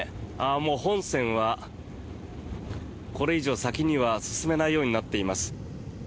もう本線はこれ以上先には進めないようになっています。